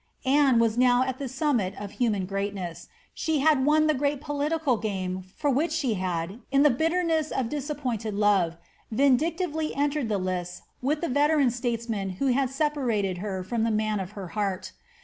Anne was now at the summit of human greatness. She had won the great pditioal game for which she had, in the bitterness of disappointed love, vindictively entered the lists with the veteran statesman who had leparated her from the man of her heart.